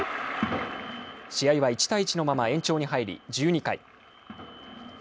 試合は１対１のまま延長に入り１２回。